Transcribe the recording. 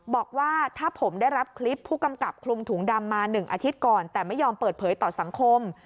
บอกว่าถ้าผมได้รับคลิปผู้กำกับคลุมถุงดำมา๑อาทิตย์ก่อนแต่ไม่ยอมเปิดเผยต่อสังคม